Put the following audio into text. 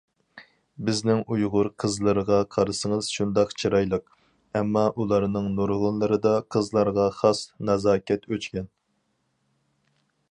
بىزنىڭ ئۇيغۇر قىزلىرىغا قارىسىڭىز شۇنداق چىرايلىق، ئەمما ئۇلارنىڭ نۇرغۇنلىرىدا قىزلارغا خاس نازاكەت ئۆچكەن.